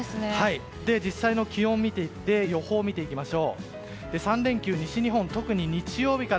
実際の予報を見ていきます。